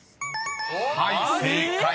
［はい正解。